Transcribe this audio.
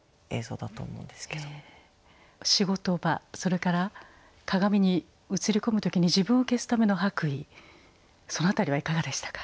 仕事場それから鏡に映り込む時に自分を消すための白衣その辺りはいかがでしたか？